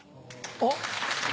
あっ。